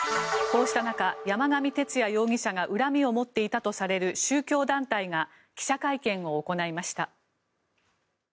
こうした中、山上徹也容疑者が恨みを持っていたとされる宗教団体が記者会見を行いました。